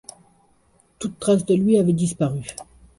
Toute trace de lui avait disparu.